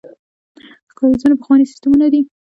کاریزونه پخواني سیستمونه دي.